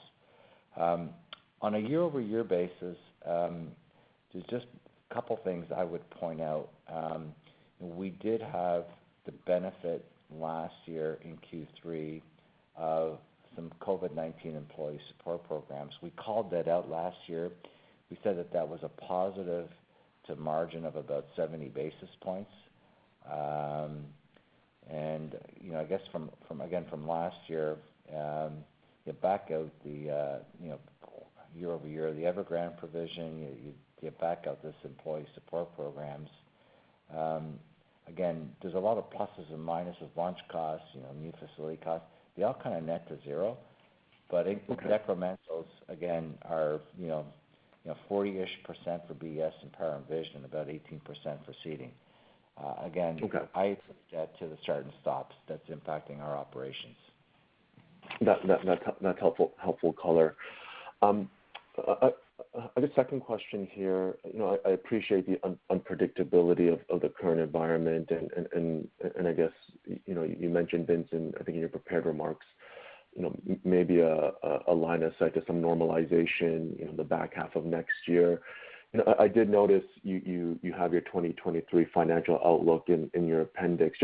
On a year-over-year basis, there's just a couple things I would point out. We did have the benefit last year in Q3 of some COVID-19 employee support programs. We called that out last year. We said that that was a positive to margin of about 70 basis points. I guess from last year, you back out the year-over-year Evergrande provision, you back out this employee support programs. Again, there's a lot of pluses and minuses, launch costs, new facility costs. They all kind of net to zero. In decrementals, again, you know, 40-ish% for BES and Power & Vision, about 18% for Seating. Okay. I attribute that to the starts and stops that's impacting our operations. That's helpful color. The second question here, you know, I appreciate the unpredictability of the current environment. I guess, you know, you mentioned, Vince, I think in your prepared remarks, you know, maybe a line of sight to some normalization in the back half of next year. You know, I did notice you have your 2023 financial outlook in your appendix.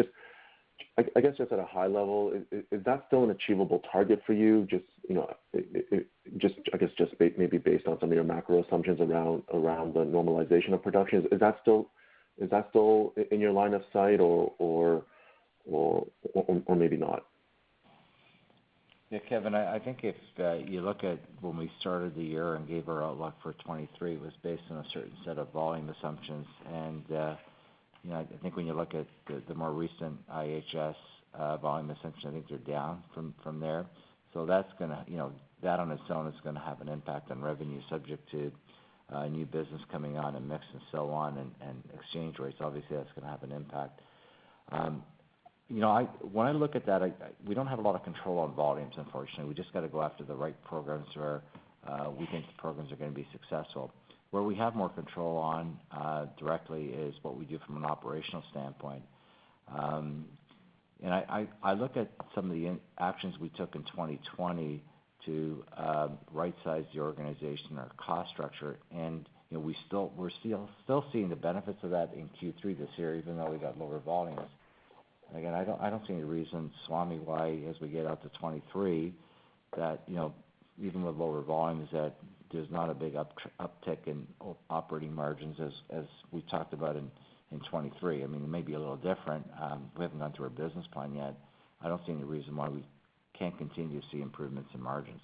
Just, I guess just at a high level, is that still an achievable target for you? Just, you know, it just, I guess just maybe based on some of your macro assumptions around the normalization of production. Is that still in your line of sight or maybe not? Yeah, Kevin, I think if you look at when we started the year and gave our outlook for 2023, it was based on a certain set of volume assumptions. You know, I think when you look at the more recent IHS volume assumptions, I think they're down from there. That's gonna, you know, that on its own is gonna have an impact on revenue subject to new business coming on and mix and so on, and exchange rates. Obviously, that's gonna have an impact. When I look at that, we don't have a lot of control on volumes, unfortunately. We just gotta go after the right programs where we think the programs are gonna be successful. Where we have more control on directly is what we do from an operational standpoint. I look at some of the actions we took in 2020 to right-size the organization, our cost structure, and, you know, we're still seeing the benefits of that in Q3 this year, even though we got lower volumes. Again, I don't see any reason, Swamy, why as we get out to 2023, that, you know, even with lower volumes, that there's not a big uptick in operating margins as we talked about in 2023. I mean, it may be a little different. We haven't gone through our business plan yet. I don't see any reason why we can't continue to see improvements in margins.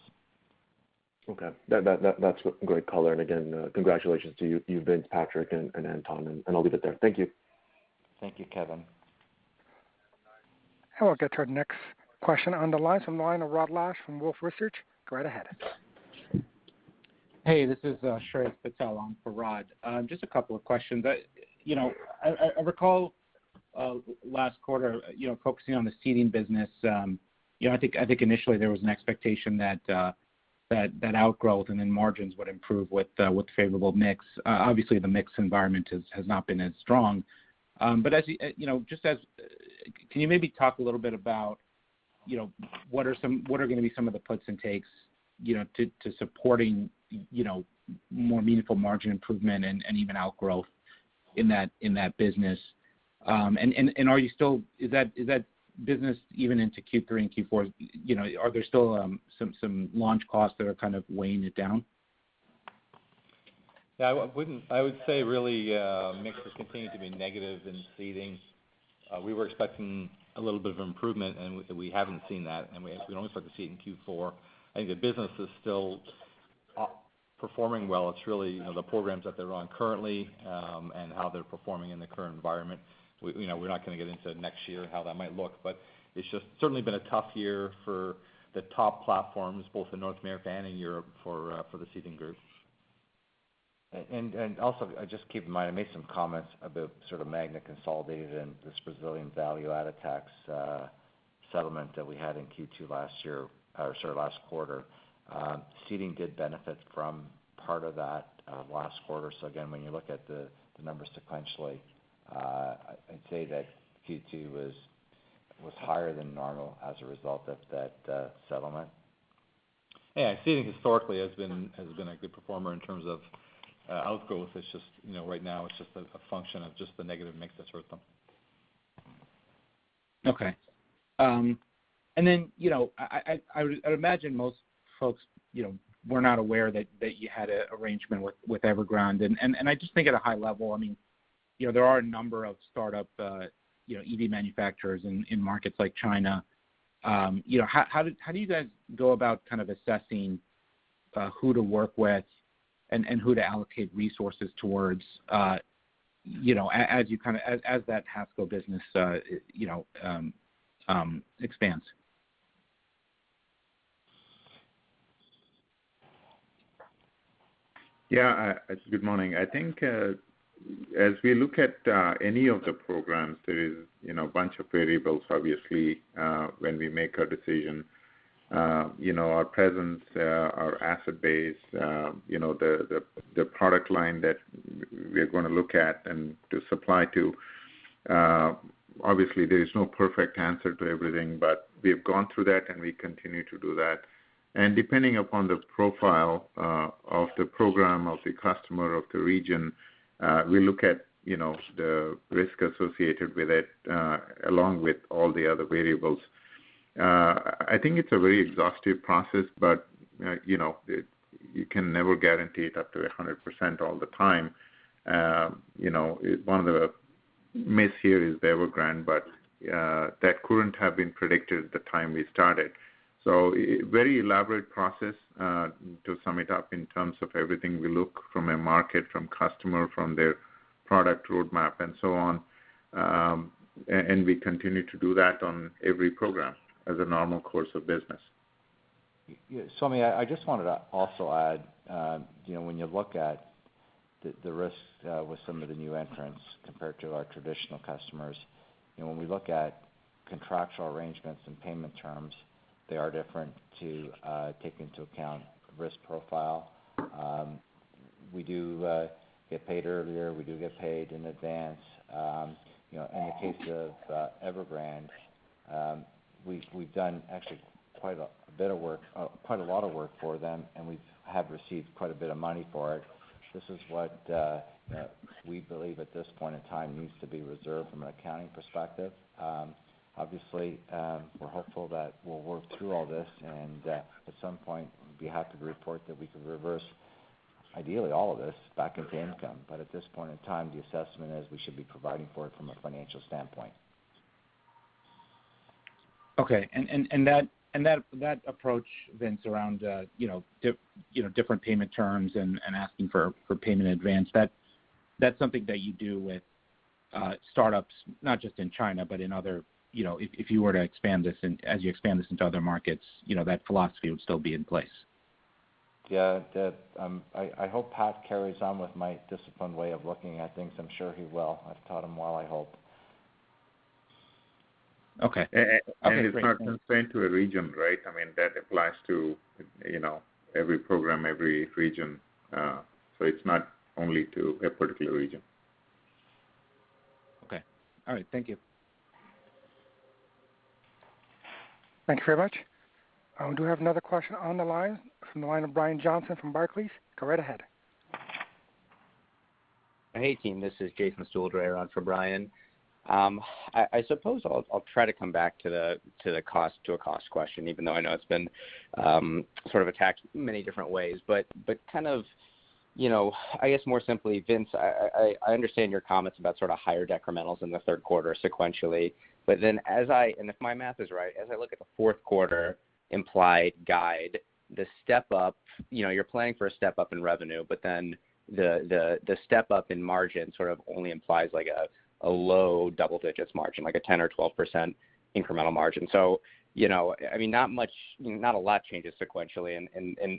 Okay. That's great color. Again, congratulations to you, Vince, Pat, and Anton, and I'll leave it there. Thank you. Thank you, Kevin. We'll get to our next question on the line from Rod Lache from Wolfe Research. Go right ahead. Hey, this is Shreyas Patil on for Rod. Just a couple of questions. I recall last quarter, you know, focusing on the seating business, you know, I think initially there was an expectation that outgrowth and then margins would improve with favorable mix. Obviously the mix environment has not been as strong. But as you know, can you maybe talk a little bit about what are gonna be some of the puts and takes, you know, to supporting more meaningful margin improvement and even outgrowth in that business? Is that business even into Q3 and Q4, you know, are there still some launch costs that are kind of weighing it down? Yeah, I would say really, mix has continued to be negative in Seating. We were expecting a little bit of improvement, and we haven't seen that, and we only expect to see it in Q4. I think the business is still performing well. It's really, you know, the programs that they're on currently, and how they're performing in the current environment. We know we're not gonna get into next year, how that might look, but it's just certainly been a tough year for the top platforms, both in North America and in Europe for the Seating group. Also just keep in mind, I made some comments about sort of Magna consolidated and this Brazilian value-added tax settlement that we had in Q2 last year, or sorry, last quarter. Seating did benefit from part of that last quarter. Again, when you look at the numbers sequentially, I'd say that Q2 was higher than normal as a result of that settlement. Yeah, seating historically has been a good performer in terms of outgrowth. It's just, you know, right now it's just a function of just the negative mix that's hurt them. Okay. You know, I would imagine most folks, you know, were not aware that you had a arrangement with Evergrande. I just think at a high level, I mean, you know, there are a number of startup EV manufacturers in markets like China. You know, how do you guys go about kind of assessing who to work with and who to allocate resources towards, you know, as that HASCO business expands? Yeah, good morning. I think, as we look at any of the programs, there is, you know, a bunch of variables, obviously, when we make a decision. You know, our presence, our asset base, you know, the product line that we're gonna look at and to supply to. Obviously there is no perfect answer to everything, but we've gone through that, and we continue to do that. Depending upon the profile of the program, of the customer, of the region, we look at, you know, the risk associated with it, along with all the other variables. I think it's a very exhaustive process, but, you know, you can never guarantee it up to 100% all the time. You know, one of the misses here is Evergrande, but that couldn't have been predicted at the time we started. Very elaborate process to sum it up in terms of everything we look from a market, from customer, from their product roadmap and so on. We continue to do that on every program as a normal course of business. I mean, I just wanted to also add, you know, when you look at the risk with some of the new entrants compared to our traditional customers, you know, when we look at contractual arrangements and payment terms, they are different to take into account risk profile. We do get paid earlier. We do get paid in advance. You know, in the case of Evergrande, we've done actually quite a bit of work, quite a lot of work for them, and we've received quite a bit of money for it. This is what we believe at this point in time needs to be reserved from an accounting perspective. Obviously, we're hopeful that we'll work through all this and at some point be happy to report that we can reverse ideally all of this back into income. At this point in time, the assessment is we should be providing for it from a financial standpoint. Okay. That approach, Vince, around, you know, different payment terms and asking for payment in advance, that's something that you do with startups, not just in China, but in other, you know, as you expand this into other markets, you know, that philosophy would still be in place. Yeah. I hope Pat carries on with my disciplined way of looking at things. I'm sure he will. I've taught him well, I hope. Okay. It's not constrained to a region, right? I mean, that applies to, you know, every program, every region. So it's not only to a particular region. Okay. All right. Thank you. Thank you very much. I do have another question on the line from the line of Brian Johnson from Barclays. Go right ahead. Hey, team, this is Jason Stuhldreher around for Brian. I suppose I'll try to come back to a cost question, even though I know it's been sort of attacked many different ways. Kind of. You know, I guess more simply, Vince, I understand your comments about sort of higher decrementals in the third quarter sequentially. Then as I and if my math is right, as I look at the fourth quarter implied guide, the step up, you know, you're planning for a step up in revenue, but then the step up in margin sort of only implies like a low double digits margin, like a 10 or 12% incremental margin. You know, I mean, not much, not a lot changes sequentially.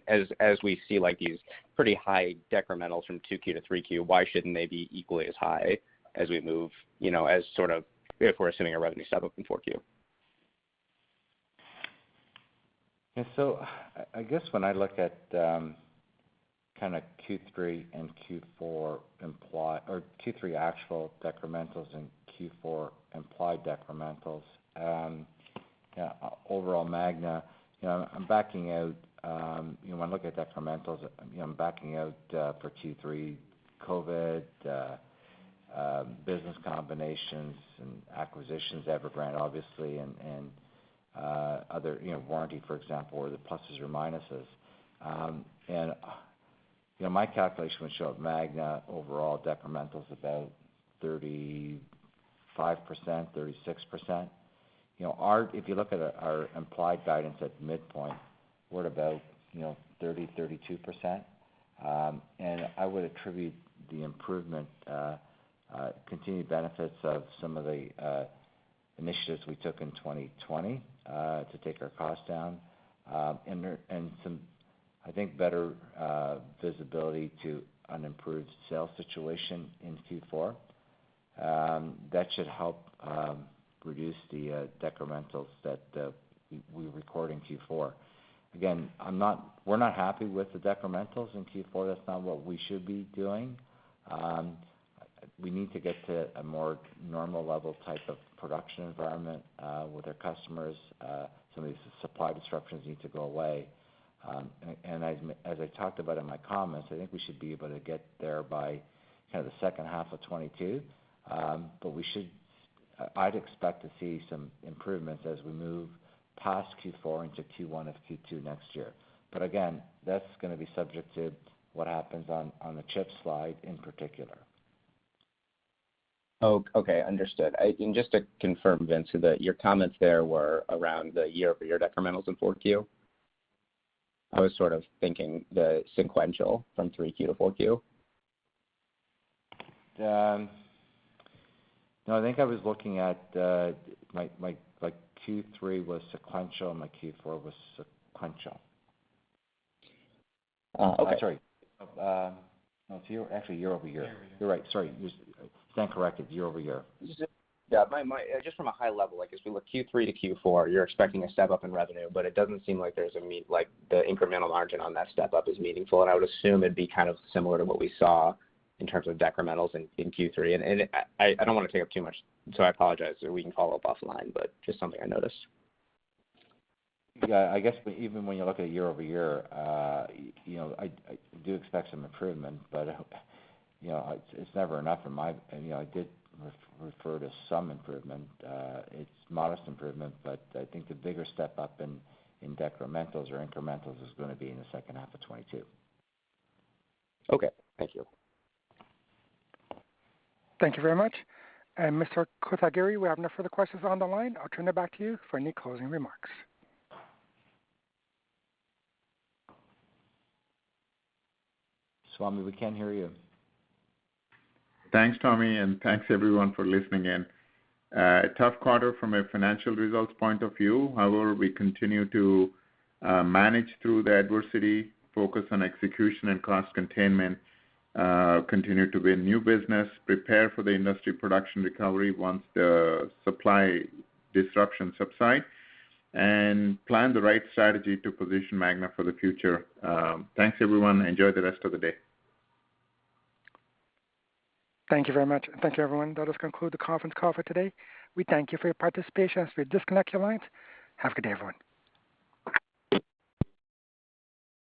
as we see like these pretty high decrementals from 2Q to 3Q, why shouldn't they be equally as high as we move, you know, as sort of if we're assuming a revenue step up in 4Q? I guess when I look at kinda Q3 and Q4 or Q3 actual decrementals and Q4 implied decrementals, overall Magna, you know, I'm backing out, you know, when I look at decrementals, you know, I'm backing out for Q3 COVID, business combinations and acquisitions, Evergrande obviously, and other, you know, warranty, for example, or the pluses or minuses. You know, my calculation would show Magna overall decrementals about 35%-36%. You know, if you look at our implied guidance at midpoint, we're about 30-32%. I would attribute the improvement continued benefits of some of the initiatives we took in 2020 to take our costs down, and some, I think, better visibility to an improved sales situation in Q4. That should help reduce the decrementals that we record in Q4. Again, we're not happy with the decrementals in Q4. That's not what we should be doing. We need to get to a more normal level type of production environment with our customers. Some of these supply disruptions need to go away. As I talked about in my comments, I think we should be able to get there by kinda the second half of 2022. We should I'd expect to see some improvements as we move past Q4 into Q1 and Q2 next year. But again, that's gonna be subject to what happens on the chip supply in particular. Oh, okay. Understood. Just to confirm, Vince, so that your comments there were around the year-over-year decrementals in 4Q? I was sort of thinking the sequential from 3Q to 4Q. No, I think I was looking at my like Q3 was sequential, and my Q4 was sequential. Oh, okay. Sorry. No, it's actually year-over-year. Year-over-year. You're right. Sorry. I stand corrected, year-over-year. Just from a high level, like as we look Q3 to Q4, you're expecting a step up in revenue, but it doesn't seem like the incremental margin on that step up is meaningful, and I would assume it'd be kind of similar to what we saw in terms of decrementals in Q3. I don't wanna take up too much, so I apologize. We can follow up offline, but just something I noticed. Yeah. I guess even when you look at year-over-year, you know, I do expect some improvement, but you know, it's never enough in my. You know, I did refer to some improvement. It's modest improvement, but I think the bigger step up in decrementals or incrementals is gonna be in the second half of 2022. Okay. Thank you. Thank you very much. Mr. Kotagiri, we have no further questions on the line. I'll turn it back to you for any closing remarks. Swamy, we can't hear you. Thanks, Tommy, and thanks everyone for listening in. A tough quarter from a financial results point of view. However, we continue to manage through the adversity, focus on execution and cost containment, continue to win new business, prepare for the industry production recovery once the supply disruptions subside, and plan the right strategy to position Magna for the future. Thanks, everyone. Enjoy the rest of the day. Thank you very much. Thank you, everyone. That does conclude the conference call for today. We thank you for your participation. As we disconnect your lines, have a good day, everyone.